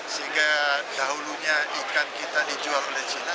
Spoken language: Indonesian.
sehingga dahulunya ikan kita dijual oleh china